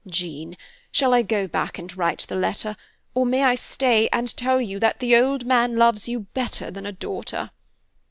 "Jean, shall I go back and write the letter, or may I stay and tell you that the old man loves you better than a daughter?"